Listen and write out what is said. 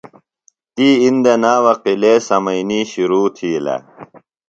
تی اِندہ ناوہ قِلعے سمئنی شِرو تِھیلہ